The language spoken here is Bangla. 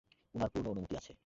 উনার পূর্ণ অনুমতি আছে।